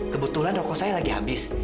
kebetulan rokok saya lagi habis